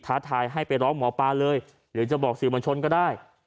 ท้าทายให้ไปร้องหมอปลาเลยหรือจะบอกสื่อมวลชนก็ได้